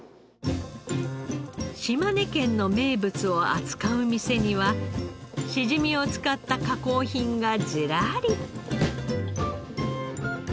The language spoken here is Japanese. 島根県の名物を扱う店にはしじみを使った加工品がズラリ。